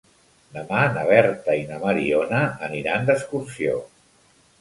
Demà na Berta i na Mariona aniran d'excursió.